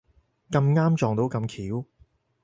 咁啱撞到咁巧